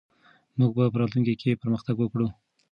موږ به په راتلونکي کې پرمختګ وکړو.